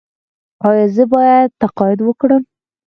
ایا زه باید تقاعد وکړم؟